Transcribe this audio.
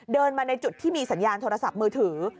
เดินมาในจุดที่มีสัญญาณโทรศัพท์มือถือ